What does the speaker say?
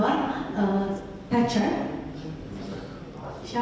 saya tidak tahu